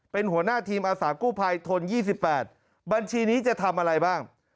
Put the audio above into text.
เป็นหัวหน้าทีมอาสากู้ภัยทน๒๘บัญชีนี้จะทำอะไรบ้าง